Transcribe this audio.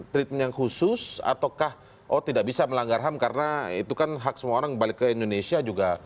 treatment yang khusus ataukah oh tidak bisa melanggar ham karena itu kan hak semua orang balik ke indonesia juga